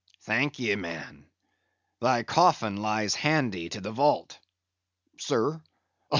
"Thank ye, man. Thy coffin lies handy to the vault." "Sir?